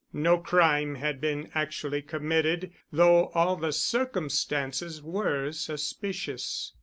No crime had been actually committed though all the circumstances were suspicious.